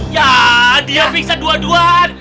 ya dia bisa dua duaan